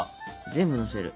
全部のせる。